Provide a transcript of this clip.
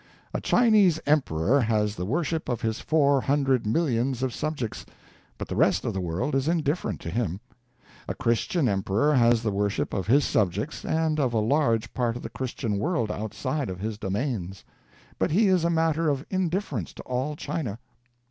A Chinese Emperor has the worship of his four hundred millions of subjects, but the rest of the world is indifferent to him. A Christian Emperor has the worship of his subjects and of a large part of the Christian world outside of his domains; but he is a matter of indifference to all China.